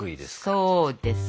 そうです。